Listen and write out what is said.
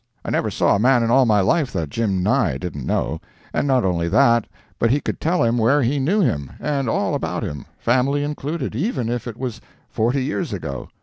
I never saw a man in all my life that Jim Nye didn't know—and not only that, but he could tell him where he knew him, and all about him, family included, even if it was forty years ago.